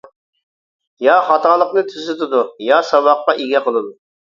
يا خاتالىقىنى تۈزىتىدۇ، يا ساۋاققا ئىگە قىلىدۇ.